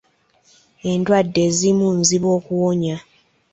Endwadde ezimu nzibu okuwonya.